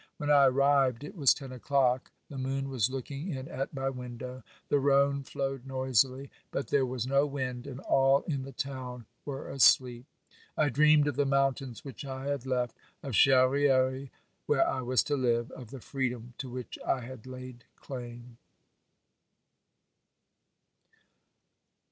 When I arrived it was ten o'clock ; the moon was look ing in at my window. The Rhone flowed noisily, but there was no wind, and all in the town were asleep. I dreamed of the mountains which I had left, of Charr^ires where I was to live, of the freedom to which I had laid claim.